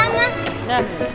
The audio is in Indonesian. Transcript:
kita ketemu disana